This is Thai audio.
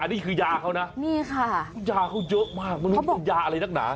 อันนี้คือยาเขานะยาเขาเยอะมากมันเป็นยาอะไรดักหนา